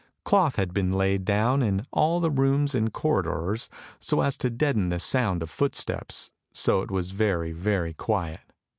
Cloth had been laid down in all the rooms and corridors so as to deaden the sound of footsteps, so it was very, very quiet.